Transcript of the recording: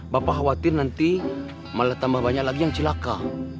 bapak khawatir nanti malah tambah banyak lagi yang celaka